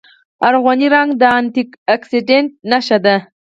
ارغواني رنګ د انټي اکسیډنټ نښه ده.